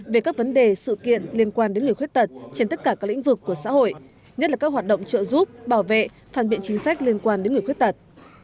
về các vấn đề sự kiện liên quan đến người khuyết tật trên tất cả các lĩnh vực của xã hội nhất là các hoạt động trợ giúp bảo vệ phản biện chính sách liên quan đến người khuyết tật